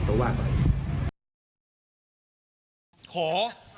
ต้องว่าก่อน